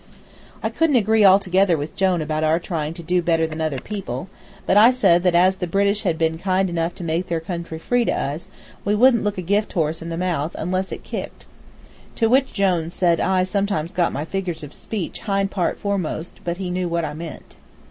I couldn't agree altogether with Jone about our trying to do better than other people, but I said that as the British had been kind enough to make their country free to us, we wouldn't look a gift horse in the mouth unless it kicked. To which Jone said I sometimes got my figures of speech hind part foremost, but he knew what I meant.